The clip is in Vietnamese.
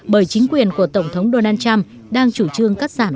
bởi chính quyền của tổng thống donald trump đang chủ trương cắt giảm